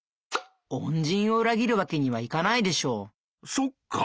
そっかぁ。